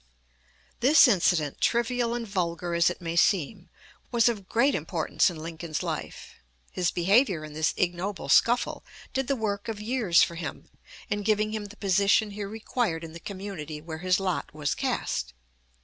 This incident, trivial and vulgar as it may seem, was of great importance in Lincoln's life. His behavior in this ignoble scuffle did the work of years for him, in giving him the position he required in the community where his lot was cast.